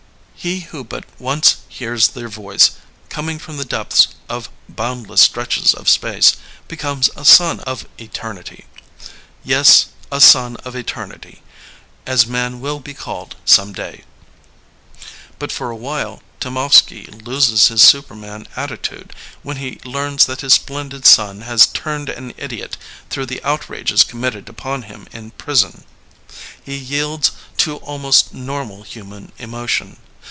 He who but ouce hears their voice, coming from the depths of boundless stretches of space, be comes a son of eternity. Yes, 'a son of eternity P as man will be called some day.'* But for a while Temovsky loses his superman attitude when he learns that his splendid son has turned an idiot through the outrages committed upon him in prison. He yields to almost normal human emotion.